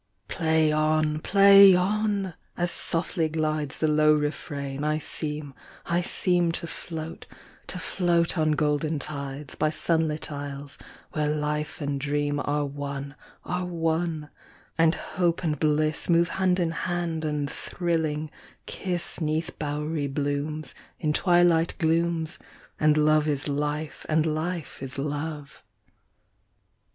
1882.]PLAY on! Play on! As softly glidesThe low refrain, I seem, I seemTo float, to float on golden tides, By sunlit isles, where life and dreamAre one, are one; and hope and blissMove hand in hand, and thrilling, kiss'Neath bowery blooms, In twilight glooms, And love is life, and life is love.